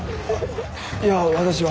いや私は。